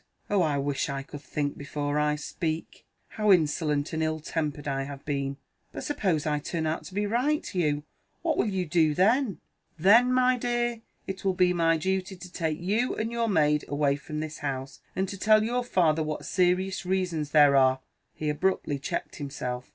"Oh, I wish I could think before I speak: how insolent and ill tempered I have been! But suppose I turn out to be right, Hugh, what will you do then?" "Then, my dear, it will be my duty to take you and your maid away from this house, and to tell your father what serious reasons there are" He abruptly checked himself.